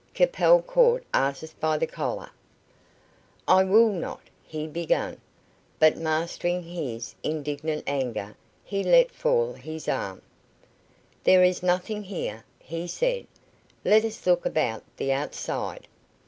Capel caught Artis by the collar. "I will not " he began; but mastering his indignant anger he let fall his arm. "There is nothing here," he said; "let us look about the outside."